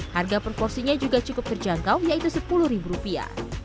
harga proporsinya juga cukup terjangkau yaitu sepuluh ribu rupiah